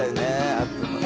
アップもね